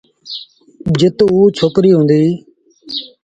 جت اُ ڇوڪريٚ هُݩديٚ۔